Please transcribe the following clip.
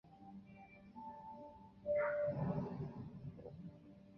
佩德罗是葡萄牙女王玛莉亚二世与其夫葡萄牙国王费南度二世的长子。